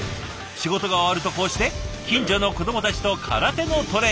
仕事が終わるとこうして近所の子どもたちと空手のトレーニング。